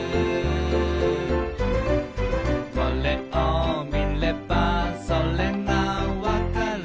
「これを見ればそれが分かる」